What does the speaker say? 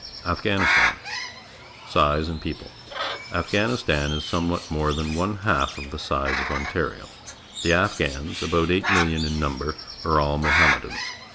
AFGHANISTAN c Size and People. — Afghanistan is some what more than one half of the size of Ontario. The Afghans, about eight million in number, are all Mohammedans.